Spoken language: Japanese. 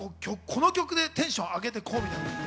この曲でテンション上げていこうみたいな。